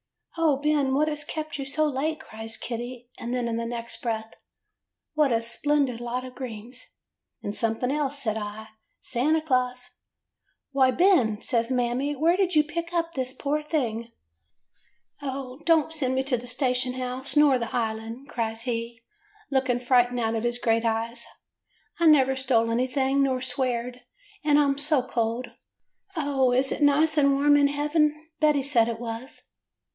" 'O Ben, what has kept you so late?* cries Kitty; and then in the next breath, 'What a splendid lot of greens.' " 'And something else,* says I. 'Santa Claus.' " 'Why, Ben !* says Mammy. 'Where did you pick up this poor thing?* " 'O don't send me to the station house nor the Island,* cries he, looking frightened out of his great eyes. 'I never stole anything, nor sweared, and I *m so cold. O, is it nice and warm in heaven? Betty said it was.